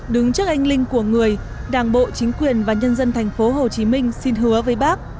đứng trước anh linh của người đảng bộ chính quyền và nhân dân tp hcm xin hứa với bác